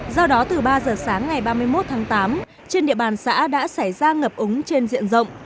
do đó từ ba giờ sáng ngày ba mươi một tháng tám trên địa bàn xã đã xảy ra ngập úng trên diện rộng